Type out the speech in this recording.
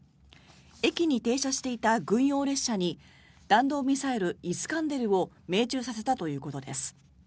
駅に停車していた軍用列車に弾道ミサイル、イスカンデルを命中させたということです。